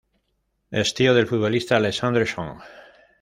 Es tío del futbolista Alexandre Song.